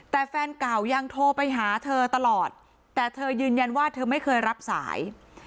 แต่แฟนเก่ายังโทรไปหาเธอตลอดแต่เธอยืนยันว่าเธอไม่เคยรับสาย